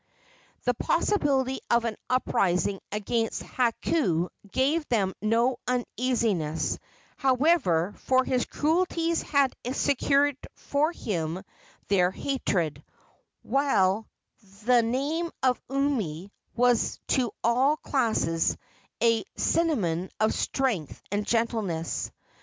The possibility of an uprising against Hakau gave them no uneasiness, however, for his cruelties had secured for him their hatred, while the name of Umi was to all classes a synonym of strength and gentleness.